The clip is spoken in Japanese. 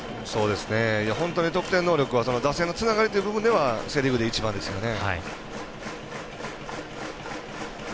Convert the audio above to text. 本当に得点能力打線のつながりという意味ではセ・リーグで一番ですよね。